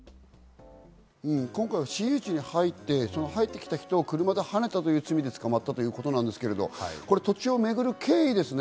今回は私有地に入って、その入ってきた人を車ではねたという罪で捕まったということですけど、これ土地をめぐる経緯ですね。